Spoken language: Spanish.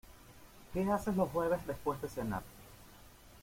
¿Qué haces los jueves después de cenar?